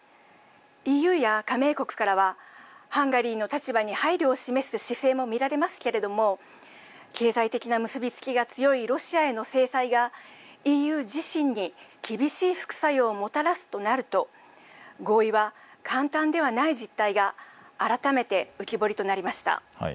ＥＵや加盟国からはハンガリーの立場に配慮を示す姿勢も見られますけれども経済的な結び付きが強いロシアへの制裁がＥＵ自身に厳しい副作用をもたらすとなると合意は簡単ではない実態が改めて浮き彫りとなりました。